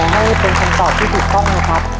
ให้เป็นคำตอบที่ถูกต้องนะครับ